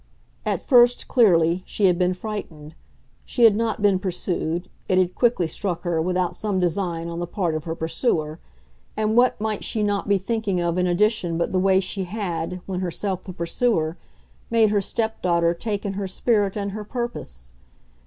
At first, clearly, she had been frightened; she had not been pursued, it had quickly struck her, without some design on the part of her pursuer, and what might she not be thinking of in addition but the way she had, when herself the pursuer, made her stepdaughter take in her spirit and her purpose?